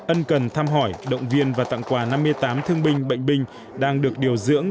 ân cần thăm hỏi động viên và tặng quà năm mươi tám thương binh bệnh binh đang được điều dưỡng